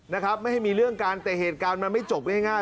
นะครับไม่ให้มีเรื่องกันแต่เหตุการณ์มันไม่จบง่าย